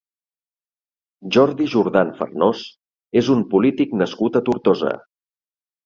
Jordi Jordan Farnós és un polític nascut a Tortosa.